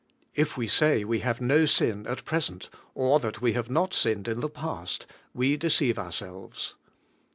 If we say we have no sin at present, or that we have not sinned in the past, we deceive ourselves.